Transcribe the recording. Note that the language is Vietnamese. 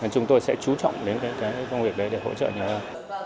chúng tôi sẽ chú trọng đến công việc đấy để hỗ trợ nhiều hơn